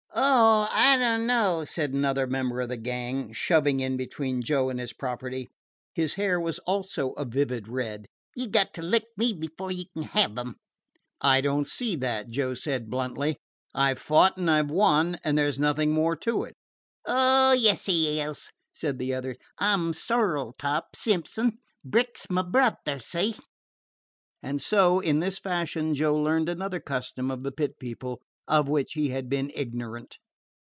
"Oh, I dunno," said another member of the gang, shoving in between Joe and his property. His hair was also a vivid red. "You 've got to lick me before you kin have 'em." "I don't see that," Joe said bluntly. "I 've fought and I 've won, and there 's nothing more to it." "Oh, yes, there is," said the other. "I 'm 'Sorrel top' Simpson. Brick 's my brother. See?" And so, in this fashion, Joe learned another custom of the Pit People of which he had been ignorant.